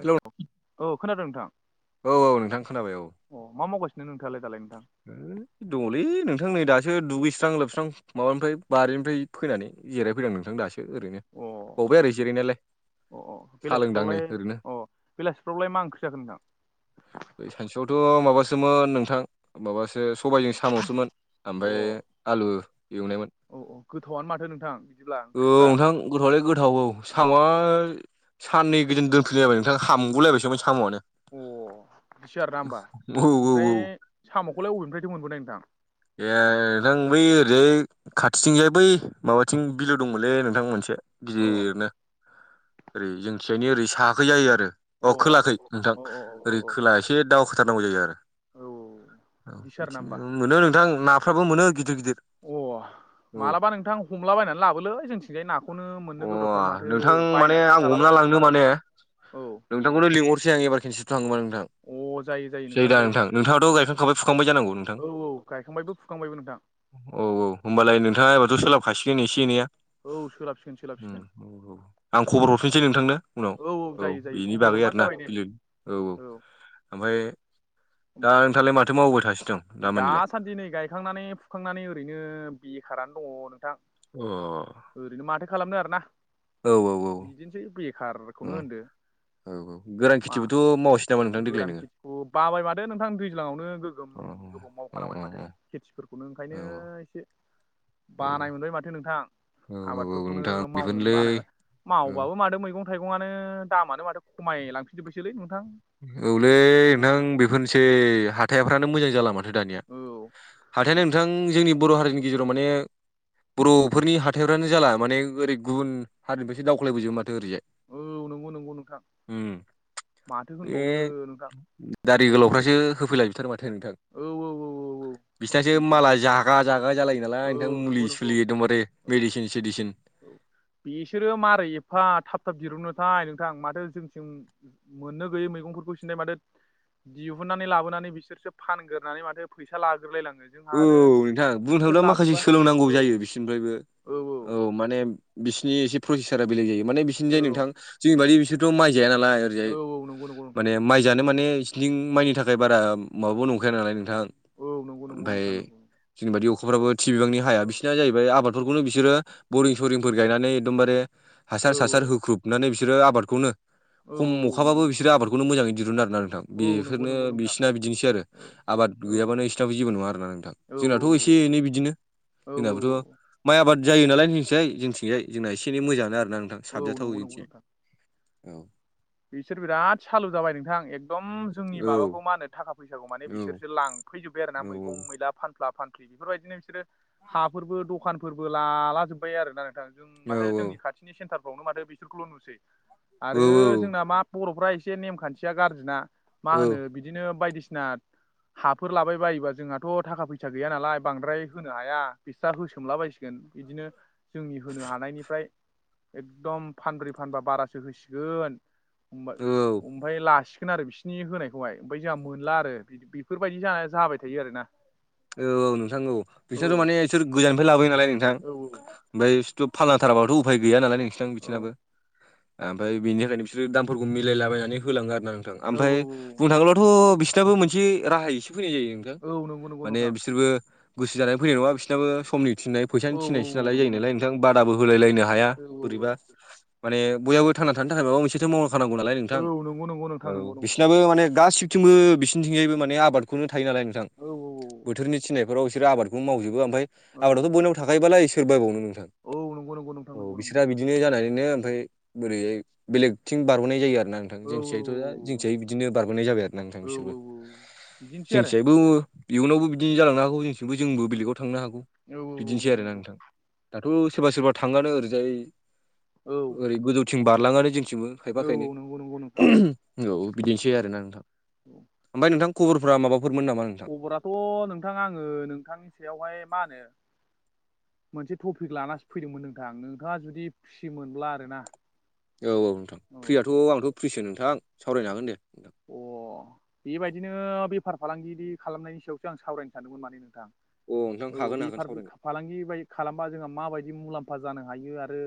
Hello औ खोनादों नोंथां। औ औ नोंथां खोनाबाय औ। अ मा मावगासिनो नोंथाङालाय दालाय नोंथां? दंलै नोंथां नै दासो दुगैस्रां लोबस्रां माबानिफ्राय बारिनिफ्राय फैनानै जिरायफैदों नोंथां दासो ओरैनो अ बावबाय आरो जिरायनायालाय। अ अ साहा लोंदां नै बेलासिफ्रावलाय ओरैनो अ बेलासिफ्रावलाय मा ओंख्रि जाखोन नोंथां? सानसेुआवथ' माबासोमोन नोंथां माबासो सबायाइजों साम'सोममोन ओमफ्राय आलु एवनायमोन। औ औ गोथावआनो माथो नोंथां। बिदिब्ला औ ओंख्रिफ्रा नोंथां गोथावलाय गोथाव औ सामा सानै गोजोन दोनफैलायबाय नोंथां हामगुलायबायसोममोन साम'आनो। अ बिदिसो आरोना होनोमबा औ औ औ ओमफ्राय साम'खौलाय बबेनिफ्रायथ मोनबोनाय नोंथां? ए नोंथां बै ओरैजाय खाथिथिंजाय बै माबाथिं बिलो दंमोनलै नोंथां मोनसे अ गिदिरनो ओरै जोंखियनो ओरै सायाखै जायो आरो अ खोलाखै। नोंथां अ ओरै औ खोला एसे दाव खाथारनांगौ जायो आरो औ औ बिदिसो आरोना होमबा बिदिनो मोनो नोंथां नाफ्राबो मोनो गिदिर गिदिर। अ औ मालाबा नोंथां हमलाबायायनानै लाबोलै जोंथि बेहाय नाखौनो मोननो अ गोब्रावथार माथो नोंथां माने आं बायनानैसो जालाबायनांगो बाजारफ्राव औ नोंखौनो लिहरसोय आं नोंथां औ अ जायो जायो जायोदा जायो नोंथां नोंथाङाथ' गायखांखाबाय फुखांखाबाय जानांगौ नोंथां औ औ गायखांबायबो फुखांबायबो नोंथां औ औ होनोमबालाय नोंथाङा एबाथ' सोलाबखाासिगोन एसे एनैया औ सोलाबसिगोन उम सोलाबसिगोन औ आं खबर औ हरफिनसै नोंथांनो उनाव औ जायो जायो बेनि खबर बागै हरबानो आरोना जाबाय दे बिलो औ औ ओमफ्राय दा नोंथालाय माथो मावबोबाय थासिनो दं दामानिलाय दासान्दि नै गायखांनानै फुखांनानै ओरैनो बेखारानो दङ नोंथां अ ओरैनो माथो खालामनो आरोना औ औ औ बिदिनोसै उम बेखारखौनो होनदो औ औ गोर खथिबोथ' मावसै नामा नोंथां देग्लाय गारान नोङो? खितखखौ बाबाय माथो नोंथां दैज्लांवनो गोगोम अ गोबाव अ मावखानांबाय अ औ माथो खेथिफोरखौनो औ ओंखायनो एसे बानाय औ मोनबाय माथो नोंथां औ औ आबादफोरखौनो नोंथां मावनोनो बेफोरनोलै बानाय औ मावबाबो माथो मैगं थाइगंआनो दामानो माथो खमायलांफिनजोबबायसोलै नोंथां औलै औ नोंथां बेफोरनोसै हाथाइफ्रानो मोजां जाला मा दानिया औ हाथायानो नोंथां जोंनि बर' हारिनि गेजेराव माने बर'फोरनि हाथाइफ्रानो जाला माने ओरै गुबुन हारिनिफ्रायो दावख्लायबोजोबो माथो ओरैजाय औ नंगौ नंगौ नोंथां उम माथो बे होनबावनो नोंथां दारि बिदिनोसै गोलावफ्रासो होफैला जोबथारो माथो नोंथां औ औ औ औ बिसनासो माला बिसोरसो जागा जागा जालायो नालाय औ नोंथां मुलि नंगौ नंगौ सुलि एदमबारे औ मेडिसिन सेडिसिन औ बिसोरो मारै एफा थाब थथाब दिरुननो थथाय नोंथां माथो जोंथिम मोननो गैयै मैगंफोरखौ सिनथाय माथो दिहुननानै लाबोनानै बिसोरसो फानग्रोनानै माथो फैसा लाग्रलायलाङो औ नोंथां बुंनो थाडाब्ला माखासे सोलोंनांगौ औ जायो बिसोरनिफ्रायबो औ माने बिसिरनि एसे प्रसेसारा बेलेग जायो माने बिसिरनि जायो औ नोंथां जोंनि बादि बिसोरथ' माइ जाया नालाय औ ओरैजाय औ नंगौ नंगौ नोंथां माने माइ जानो माने सिलिं माइनि थाखाय बारा माबाबो नंखाया नालाय नोंथां [inaudible] औ नंगौ नंगौ नोंथां ओमफ्राय नंगौ जनिबादि औ अखाफ्राबो बिबांनि हाया औ बिसोरनाया जाहैबाय आबादफोरखौनो बिसोरो बरिं सरिंफोर गायनानै एकदमबारे औ हासार हासार होख्रुबनानै बिसोरो आबादखौनो औ खम अखाबाबो नंगौ नंगौ बिसोरो आदखौ मोजाङैिरुनडा आरो नोंथां औ नंगौ बेफोरनो नंगौ नोंथां बिसिना बिदिनोसै आरो औ आबाद औ गैयाबानो जेबो नङा आरोना नोंथां औ जोंनाथ' एसे एनै बिदिनो औ जोंनाबोथ' माइ आबाद जायो नालाय मिथिसाय जोंथिंजाय जोंना एसे एन मोजाङानो आरोना नोंथां औ औ साबजाथाव नंगौ नंगौ जोंथें नोंथां औ बिसोर बिराद सालु जाबाय नोंथां एकदम जोंनि औ माबाखौ मा होनो थाखा फैसाखौ माने औ बिसोरसो लां फैजोब्बाय आरो ना औ मैगं मैला फानफ्ला फानफ्लि बेफोरबायदिनो बिसोरो हाफोरबो दखानफोरबो लालाजोब्बाय आरोना नोंथां जों औ माथो जोंनि खाथिनि सेन्टारफ्रावनो माथो बिसोरखौल' नुसै आरो जोंना मा बर'फ्रा एसे नेम खान्थिया गाज्रि ना मा होनो बिदिनो बायदिसिना हाफोर लाबाय बायोबा जोंहाथ' थाखा फैसा गैया नालाय बांद्राय होनो हाया बिस्रा होसोमलाबायसोन बिदिनो जोंनि होनो हानायनिफ्राय एकदम फानब्रै फानबा बारासो होसिगोन [unintelligible] औ ओमफफ्राय लासिगोन आरो बिसिरनि होनायखौहाय ओमफ्राय जोंहा मोनला आरो बि बेफोरबायदि जा जाबाय थायो आरोना औ नोंथां औ बिसोरथ' माने बिसोर गोजाननिफ्राय लाबोयो नालाय नोंथां औ ओमफ्रायथ' फाननाथाराबाथ' उफाय गैया नालाय नोंसि बिसिनाबो औ ओमफफ्राय बेनि थाखायनो बिसोरो दामफोरखौ मिलायलाबायनानै होलाङो आरो ना नोंथां औ ओमफफ्राय औ बुं थागौथ' बिसोरनाबो मोनसे राहाय एसे फैनाय जायो नोंथां औ नों माने बिसोरबो गोसो जानाय फैनाय नङा बिसोरनाबो समनि थिननाय औ फैसानि औ थिनायसै औ नालाय नंगौ जायो नंगौ नालाय नोंथां बादाबो होलाय लायनो हाया औ बोरैबा माने बयाबबो थांना थानो थाखाय माबा मोनसेथ' मावनाखानांगौ नालाय औ नोंथां औ नंगौ नंगौ नोंथां नंगौ औ नंगौ बिसिोरनाबो माने गासिबो थिंबो बिसिोरथिंजायबो माने आबादखौनो थायो नालाय नोंथां औ बोथोरनि थिनायफोराव बिसोर आबादखौ मावजोबो ओमफफ्राय औ आबादाथ' बोनाव थाखायोबालाय सोर बावनो नोंथां औ नंगौ नंगौ नोंथां औ नंगौ बिसोरा नंगौ बि बिदिनो जानानैनो ओमफ्राय बोरैहाय बेलेगथिं बारह'नाय जायो आरोना नोंथां औ जोंसियायथ' जंसियाय बिदिनो बारगोनाय जाबाय आरो ना नोंथां औ बिसोरबो औ औ बिदिनोसै आरो जोंथिजायबो इयुनावबो बिदिनो जालांनो हागौ जोंथिबो जोंबो बेलेगाव थांनो हागौ औ औ बिदिनोसै नंगौ आरोना नंगौ नोंथां। दाथ' सोरबा सोरबा थाङानो ओरैजाय औ ओरै गोजौथिं बारलाङानो जोंथिबो खायफा औ खायनै औ नंगौ नंगौ नोंथां औ बिदिनोसै औ आरो ना नोंथां औ ओमफफ्राय नोंथां खबरफ्रा माबाफोरमोन नामा नोंथां खबराथ' नोंथां आङो नोंथांनि सायावहाय मा होनो मोनसे टपिक लानानानै फैदोंमोन नोंथां नोंथाङा जुदि फ्रि मोनब्ला आर ना। औ औ नोंथां फ्रियाथ' आंथ' फ्रिसो नोंथां सावरायनो हागोन दे नोंथां। अ बेबायदिनो बेफार फालांगि खालामनायनि सायावसो आं सावरायनो सानदोंमोन माने नोंथां। अ नोंथां औ हागोन हागोन बेफार सावरायनो फालांगि बाय खालामबा जोंहा माबायदि मुलाम्फा जानो हायो आरो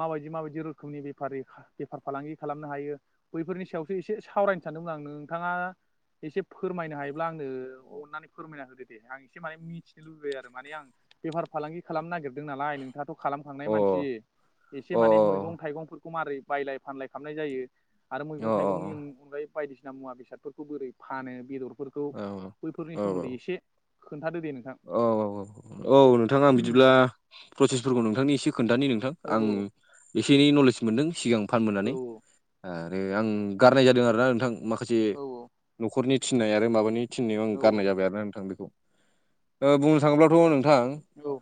माबायदि माबायदि रोखोमनि बेफारि बेफार फालांगि खालामनो हायो बैफोरनि सायाव एसे सावरायनो सानदोंमोन आं नोंथाङा एसे फोरमायनो हायोब्ला आंनो अननानै फोरमायना होदो। दे आं एसे माने मिथिनो लुबैयो आरो माने आं बेफार फालांगि खालामनो नागिरदों नालाय नोंथाङाथ' खालामखांनाय अ मानसि एसे अ माने मैगं थाइगं खौ मारै बायलाय फानलाय खालामनाय जायो आरो अ मैगं थाइगंनि अनगायै बायदिसिना मुवा बेसादफोरखौ बोरै फानो बेदरफोरखौ अ बैफोरनि औ सोमोन्दै एसे खोनथाद दे नों औ औ औ औ नोंथां आं बिदिब्ला प्रसेसफोरखौ नोंथांनि एसे खोन्थानो नोंथां औ आं एसे एनै नलेज मोनदों सिगां औ फानबोनानै। आरो आं गारनाय जादों आरोना नोंथां माखासे औ न'खरनि थिननाय आरो माबानि थिननायाव आं औ गारनाय जाबाय आरो ना नोंथां बेखौ ओ बुंनो थाङोब्लाथ' नोंथां औ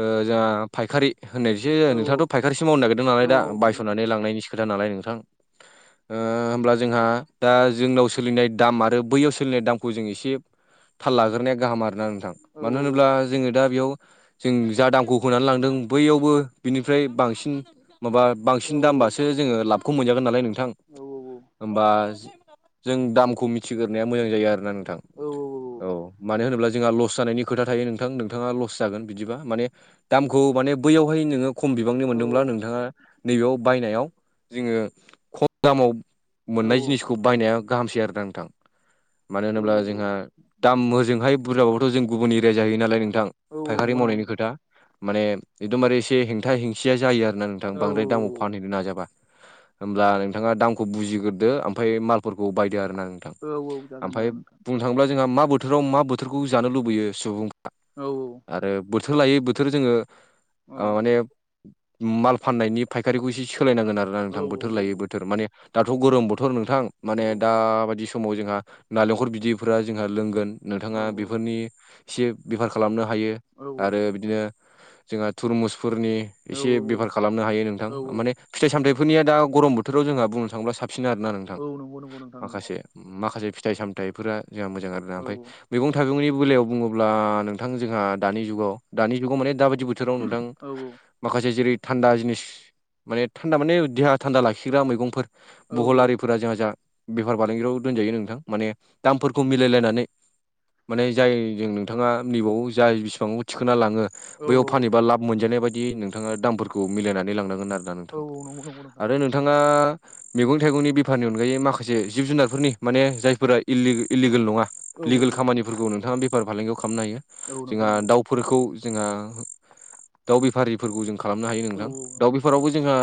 ओ जोंहा फायखारि होननायसो औ औ नोंथाङाथ' फायखारिसो मावनो नागिरदों औ नालाय दा नंगौ नोंथां बायस'नानै लांनायनि खोथा नालाय नोंथां। ओ होमब्ला जोंहा दा जोंनाव सोलिनाय दाम आरो बैयाव सोलिनाय दामखौ जों एसे थाल लाग्रोनाया गाहाम आरोना नोंथां औ मानो होनोब्ला जोङो दा बेयाव जों जा दामखौ होनानै लांदों बैयावबो बिनिफ्राय बांसिन माबा औ बांसिन दामबासो जोङो लाबखौ मोनजागोन नालाय नोंथां। औ होमबा जों दामखौ मिथिग्रोनाया मोजां जायो आरो ना। नोंथां औ औ मानो होनोब्ला जोंहा लस जानायनि खोथा थायो नोंथां। नोंथाङा लस जागोन बिदिबा माने दामखौ माने बैयावहाय नोङो खम बिबांनि औ मोनदोंब्ला नोंथाङा नैबेयाव बायनायाव जोङो खम दामाव औ मोननाय जिनिस खौ बायनाया गाहामसै आरो दा नोंथां मानो औ होनोब्ला जोंहा दाम होजोंहाय बुरजाबोथ' जों गुबुन एरिया जाहैयो नालाय नोंथां औ फायखारि नंगौ नंगौ मावनायनि नोंथां खोथा माने एकदमबारे एसे हेंथा हेंसिया जायो आरो ना नोंथां औ बांद्राय दामाव औ औ फानहैनो नाजाबा होमब्ला नोंथाङा दामखौ बुजिग्रोदो ओमफ्राय मालफोरखौ बायदो आरो नों थां जागोन ओमफ्राय जागोन नोंथां बुंनो थाङोब्ला जोंहा मा बोथोराव मा बोथोरखौ जानो लुबैयो सुबुंफ्रा औ औ आरो बोथोर लायै बोथोर जोङो औ ओव माने माल फान्नायनि फायखारिखौ इसे सोलायनांगोन आरोा औ नोंथां बोथोर लायै बोथोर माने दाथ' गोरोम बोथोर नोंथां माने दाबायदि समाव जोंहा नालेंखर बिदैफ जोंहा लोंगोन नोंथाङा बेफोरनि एसे बेफार खालामनो हायो आरो बिदिनो जोंहा थुरमुसफोरनि औ एसे बेफार खालामनो हायो नोंथां माने फिथ सामथथायफोरनिया द गरम बोथोराव जोंहा बुंनो थांङोब्ला साबसिन आरोना नों औ नंग नंगौ नोंथां नंगौ नंगौ माखासे फिथाइ सामथथायफोरा जोंहा मोजां आरोना औ ओमफफ्राय मैं थाइगंनि बेलायाव बुङोब्ला नोंथां जोंहा दानि जुगाव दानि जुगाव माने दाबादि बोथोराव नोंथां औ माखासे जेरै थान्दा जिनिस माने थान्दा माने देहा थान्दा लाखिग्रा मैगंफोर औ बुहलारिफोरा जाह ज बेफार फालांगियाव दोनजायो नोंथां माने दामफोरखौ मिलायलायनानै माने जाय जों नोंथाङा नैबाव जाय बिसेबां थिखोना लाङो औ बैयाव फानहबा लाब मोनजानाय बायदि नोंथाङा दामफोरखौ मिलायनानै लांनांगोन आरोना औ नोंथां नंगौ नंगौ नोंथां आरो नोंथाङा मैगं थाइगंनि बेफारनि अनगायै माखासे जिब जुनारफोरनि माने जायफोरा इलि इलिगेल नङा औ लिगेल खामानिफोरखौ नोंथाङा बेफार फालांगियाव खालामनो हायो औ नंगौ जोंहा नंगौ दाउ फोरखौ जोंहा दाउ बेफारिफोरखौ जों खालामनो हायो औ नोंथां औ दाउ नंगौ नंगौ औ बेफारावबो जोंहा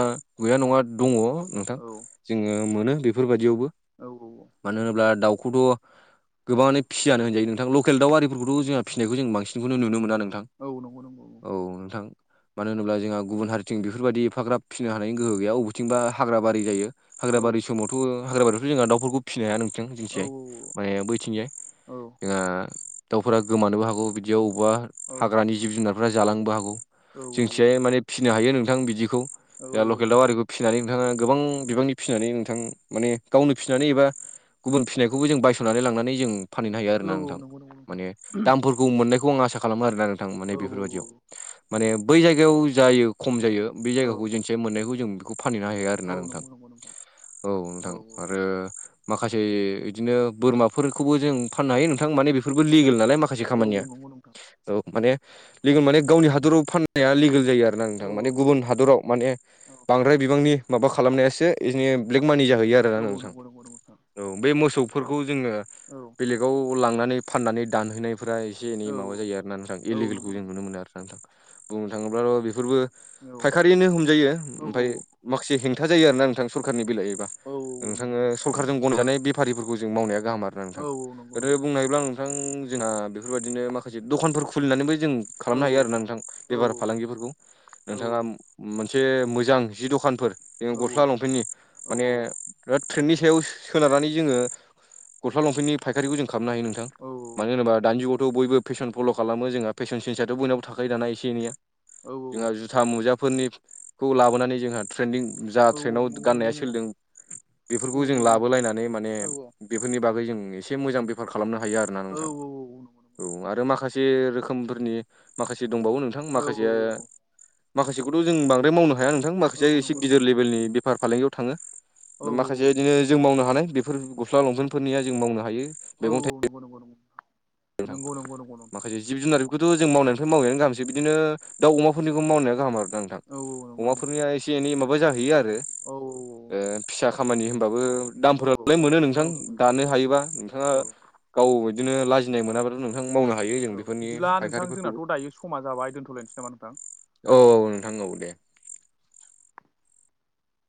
गैया नङा दङ नोंथां। औ जोङो मोनो बेफोरबायाददियावबो औ औ औ। मानो होनोब्ला दाउखौथ' गोबाङानो फिसिजानो होनजायो नोंथांल' बेल दाउिफोरखौथ जोंहा फिसिनाय जों बांसिनखौ नुनो मोना नोंथां। औ नंगौ नंगौ औ। औ नोंथां। मानो होनोब्ला जोंहा गुबुन हारिथिं बेफोरबायदि एफाग्रा फिसिनो हानायनि गोहो गैया अबेथिंबा हाग्रा बारि जायो। औ हाग्राबारि समावथ' हाग्राबारियावथ' जोंहा दाउफोरखौ फिनो हाया नोंसां जोंथियाय माने बैथिंजाय औ जोंहा दाउफोरा गोमानोबो हागौ बिदियाव बबेबा औ औ हाग्रानि जिब जुनारफोरा्रा जालांनोबो हागौ। औ जोंथियाय माने फिसिनो हायो नोंथां बिदिखौ औ द गोदाव आरिखौ फिसिनानै नोंथाङा गोबां बिबांनि फिसिनानै नोंथां माने गावनो फिसिनानै एबा गुबुन फिसिनायखौबो जों बायस'नानै लांनानै जों फानहैनो हायो आरोोना नोंथां। बर दा माने दामफोरखौ मोननायखौ आं आसा खालामो आरोोना नोंथां औ माने बेफोरबायदियाव। माने बै जायगायाव जायो खम जायो बे औ जायगाखौ जेनसे मोननायखौ जों बेखौ फानहैनो हाया औ आरोना नोंथां नंगौ नंगौ नोंथां औ नोंथां आरो माखासे बिदिनो बोरमाफोरखौबो जों फाननो हायो नोंथां माने बेफोरबो लिगेल नालाय माखासे माखासे औ खामानिया नंगौ नोंथां माने लिगेल माने गावनि हादराव फाननाया लिगेल जायो आरोोना औ नोंथांा माने गुबुन हादराव माने औ बांद्राय बिबांनि माबा खालामनायासो बिदिनो ब्लेक मानि जाहैयो आरोना औ नोंथां। नंगौ नंगौ नंगौ नोंथां औ बे मोसौफोरखौ जोङो औ। बेलेगाव लांनानै फाननानै दानहैनायफोरा्रा एसे एनै औ माबा जायो आरो आरोना नोंथां औ औ इलिगेलखौ नंगौ जों नंगौ नुनो नोंथां मोनो आरो। बुंनो थाङोब्लाथ' बेफोरबो फायखारियैनो हमजायो औ ओमफफ्राय माखासे हेंथा जायो आरोोना नोंथां सरखारनि बेलायावबा औ नंगौ नोंथाङो नंगौ सरखारजों गनजानाय बे फफारिफोरखौ जों मावनाया गाहाम आर ना औ नोंथां नंगौ गोो नंगौ बुंनायब्ला आं नोंथां जोंहा बेफोरबायदिनो माखासे दखानफोर खुलिनानैबो जों औ खालामनो हायो आरो ना नोंथां। बेफार औ औ फालांगिफोरखौ नोंथाङा औ मोनसे मोजां जि दखानफोर ज गस्ला लंफेेननि माने दा ट्रेेननि सायाव सोनारनानै जोङो गस्ला लंफेननि फायखारिखौ जों खालामनो हायो नोंथां। औ मानो होनोबा दानि जुगावथ' बयबो फेसन फल' खालामो जोंहा फेसन सेन्सथ' बयनावबो थाखायो दाना एसे एनैया। नंगौ नंगौ जोंहा जुथा मुजाफोरनि खौ लाबोनानै जोंहा ट्रेन्दिं औ नंगौ औ जा नंगौ ट्रेन्डआव गाननाया नंगौ सोलिदों औ औ बेफोरखौ औ जों लाबोलायनानै माने बेफोरनि बागै जों एसे मोजां बेफार खालामनो हायो आरोना नोंथां औ आरो माखासे से रोखोमफोरनि माखासे दंबावो नोंथां माखासेया माखासेखौथ' जों बांद्राय मावनो हाया नोंथां माखासेया एसे गिदिर लेभेलनि बेफार फालांगियाव थाङो। माखासे इदिनो जों मावनो हानाय बेफोर गस्ला लंफेनफोरनिया जों मावनो हायो। औ मैगं नंगौ नंगौ नंगौ थाइगं नंगौ नंगौ नंगौ नंगौ। माखासे जिब जुनारफोरखौथ' जों मावनायनिफ्राय मावनायानो गाहामसो बिदिनो दाउ अमाफोरनिखौ मावनाया गाहाम आरो दा नोंथां। औ औ नंगौ नंगौ अमाफोरनिया नंगौ एसे एनै माबा जाहैयो आरो। औ। ओ फिसा खामानि होनबाबो औ औ दामफोरालाय मोनो औ नोंथां दानो हायोबा नोंथाङा औ गाव बिदिनो लाजिनाय मोनाब्लाथ' नोंथां मावनो हायो जों औ बेफोरनि बिदिब्ला नोंथां फायखारिफोरखौ। जोंनाथ' दायो समा जाबाय दोनथ'लायनिसै नामा नोंथां? औ औ नोंथां औ दे।